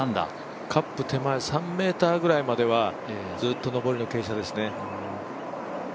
カップ手前３ｍぐらいまではずっと上りの傾斜ですね。